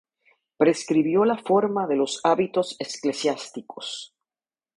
Prescribió la forma de los hábitos eclesiásticos.